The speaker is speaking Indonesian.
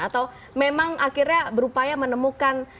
atau memang akhirnya berupaya menemukan